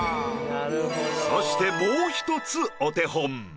そしてもう一つお手本。